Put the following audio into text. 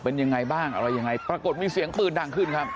เป็นยังไงบ้างอะไรยังไงปรากฏมีเสียงปืนดังขึ้นครับ